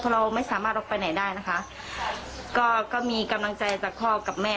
เราไม่สามารถออกไปไหนได้นะคะก็ก็มีกำลังใจจากพ่อกับแม่